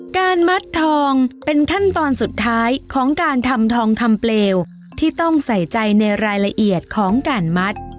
การมัดทองเป็นขั้นตอนสุดท้ายของการทำทองคำเปลวที่ต้องใส่ใจในรายละเอียดของการมัด